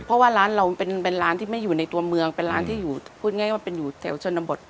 เพราะว่าร้านเราเป็นร้านที่ไม่อยู่ในตัวเมืองเป็นร้านที่อยู่พูดง่ายว่าเป็นอยู่แถวชนบท